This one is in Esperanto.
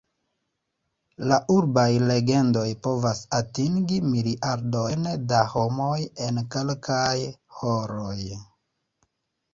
La urbaj legendoj povas atingi miliardojn da homoj en kelkaj horoj.